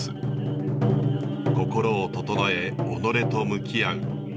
心を整え己と向き合う。